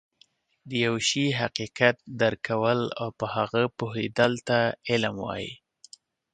د يوه شي حقيقت درک کول او په هغه پوهيدلو ته علم وایي